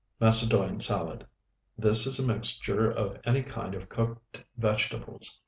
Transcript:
MACEDOINE SALAD This is a mixture of any kind of cooked vegetables.